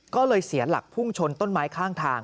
ก็เลยเสียหลักพุ่งชนต้นไม้ข้างทาง